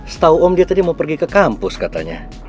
setahu om dia tadi mau pergi ke kampus katanya